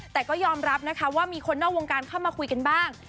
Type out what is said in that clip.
แต่ก็ยอมรับนะคะว่ามีคนนอกวงการเข้ามาคุยกันบ้าง